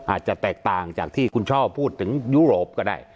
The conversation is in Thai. อาจจะแตกต่างจากที่คุณช่อพูดถึงยุโรปก็ได้